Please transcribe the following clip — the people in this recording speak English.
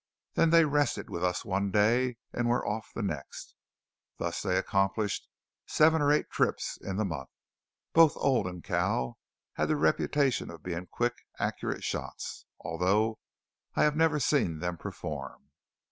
Then they rested with us one day, and were off the next. Thus they accomplished seven or eight trips in the month. Both Old and Cal had the reputation of being quick, accurate shots, although I have never seen them perform.